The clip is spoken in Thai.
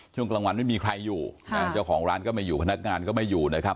ช่วงกลางวันไม่มีใครอยู่เจ้าของร้านก็ไม่อยู่พนักงานก็ไม่อยู่นะครับ